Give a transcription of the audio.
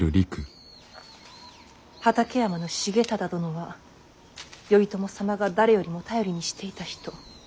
畠山重忠殿は頼朝様が誰よりも頼りにしていた人。